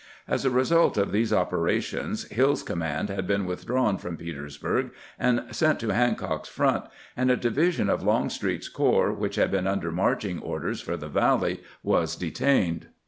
As a result of these operations, Hill's command had been withdrawn from Petersburg and sent to Hancock's front, and a division of Longstreet's corps, which had been under marching orders for the Valley, was detained.